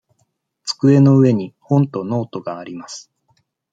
机の上に本とノートがあります。